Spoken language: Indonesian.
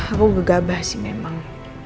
aku gegabah sih memang